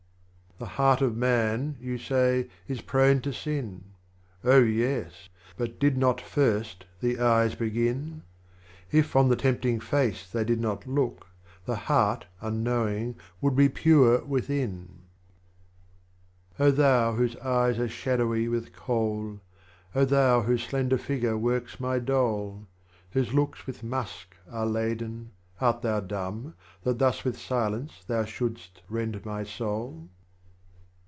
The Heart of Man, you say, is prone to Sin, Oh yes ! but did not first the Eyes begin ? If on the tempting Face they did not look, The Heart, unknowing, would be Pure within. 10 THE LAMENT OF 36. thou whose eyes are shadowy with kohl, thou whose slender figure works my Dole, Whose locks with musk are laden, art thou dumb, That thus with Silence thou shouldst rend my Soul